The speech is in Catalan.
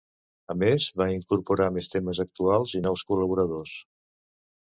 A més, va incorporar més temes actuals i nous col·laboradors.